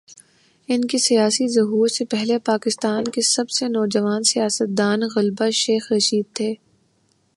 ان کے سیاسی ظہور سے پہلے، پاکستان کے سب سے "نوجوان سیاست دان" غالبا شیخ رشید تھے۔